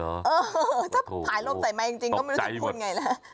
เออถ้าผ่ายลมใส่ไม้จริงก็ไม่รู้สึกคุณไงแล้ว